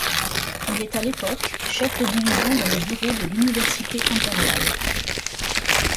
Il est à l'époque, chef de division dans les Bureaux de l'université impérial.